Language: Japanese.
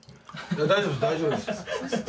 大丈夫です大丈夫です。